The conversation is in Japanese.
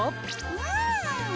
うん！